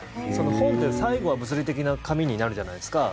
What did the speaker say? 本って最後は物理的な紙になるじゃないですか